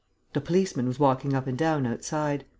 The policeman was walking up and down outside.